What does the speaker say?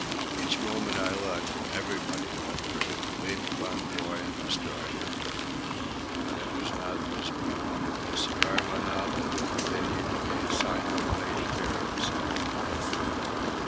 Each moment I looked, and everybody looked, for him to leap upon the boy and destroy him. But it was not his whim. His cigar went out, and he continued to gaze silently and curiously.